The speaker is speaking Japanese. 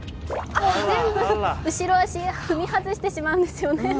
全部後ろ足を踏み外してしまうんですよね。